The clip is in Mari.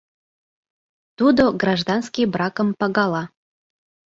Тудо гражданский бракым пагала.